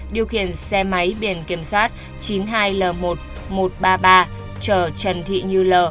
điều khiển xe máy biển kiểm soát chín mươi hai l một một trăm ba mươi ba chở trần thị như l